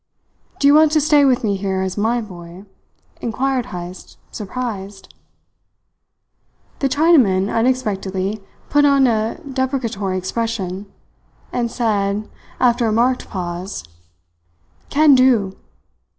"Do you want to stay with me here as my boy?" inquired Heyst, surprised. The Chinaman unexpectedly put on a deprecatory expression, and said, after a marked pause: "Can do."